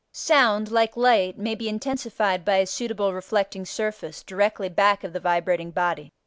Sound, like light, may be intensified by a suitable reflecting surface directly back of the vibrating body (cf.